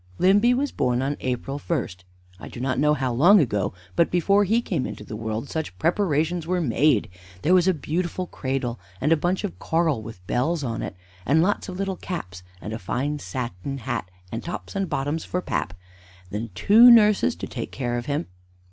Limby was born on April 1 I do not know how long ago; but before he came into the world such preparations were made! There was a beautiful cradle, and a bunch of coral with bells on it, and lots of little caps, and a fine satin hat, and tops and bottoms for pap, and two nurses to take care of him.